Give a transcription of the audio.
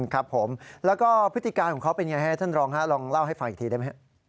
ครับผมแล้วก็พฤติการของเขาเป็นอย่างไรฮะท่านรองลองเล่าให้ฟังอีกทีได้ไหมครับ